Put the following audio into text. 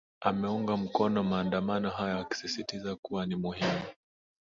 ameunga mkono maandamano hayo akisisitiza kuwa ni muhimu